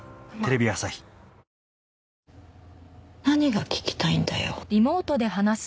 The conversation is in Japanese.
何が聞きたいんだよ？